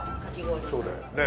そうだよね。